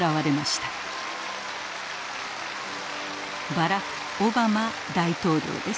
バラク・オバマ大統領です。